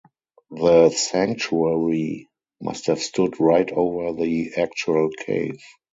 The sanctuary must have stood right over the actual cave.